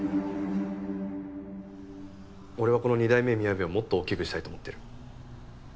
俺はこの二代目みやべをもっと大きくしたいと思ってる。